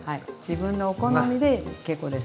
自分のお好みで結構です。